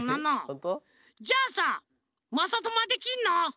ホント？じゃあさまさともはできんの？